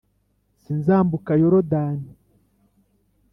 Sinzambuka Yorodani,